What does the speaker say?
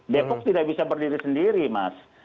depok tidak bisa berdiri sendiri mas